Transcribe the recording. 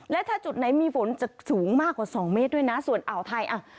และถ้าจุดไหนมีฝนจะสูงมากกว่าสองเมตรด้วยนะส่วนอ่าวไทยอ่ะ